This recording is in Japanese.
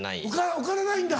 受からないんだ。